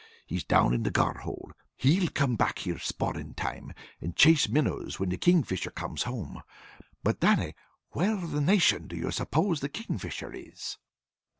He's down in the Gar hole, and he'll come back here spawning time, and chase minnows when the Kingfisher comes home. But, Dannie, where the nation do you suppose the Kingfisher is?"